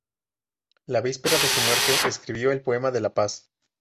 La víspera de su muerte, escribió el poema de La Paz.